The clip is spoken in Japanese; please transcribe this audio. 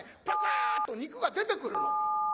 プクッと肉が出てくるの。